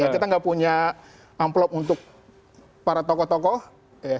kita nggak punya amplop untuk para tokoh tokoh ya